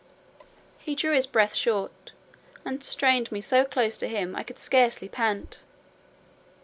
He drew his breath short, and strained me so close to him, I could scarcely pant.